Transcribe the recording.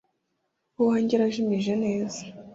uwanjye arajimije neza